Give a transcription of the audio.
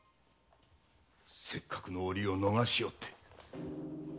せっかくの折を逃しおって。